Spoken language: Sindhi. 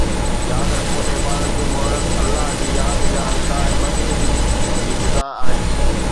ياد رکو ته عبادت جو محرڪ الله جي ياد جا حلقا ۽ مسجدن جي فضا آهن.